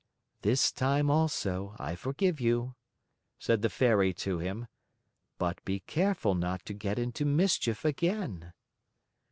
"This time also I forgive you," said the Fairy to him. "But be careful not to get into mischief again."